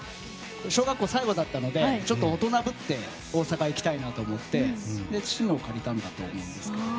小学校最後だったのでちょっと大人ぶって大阪行ったので父のを借りたんだと思うんですけど。